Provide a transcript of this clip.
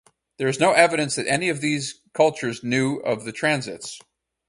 There is no evidence that any of these cultures knew of the transits.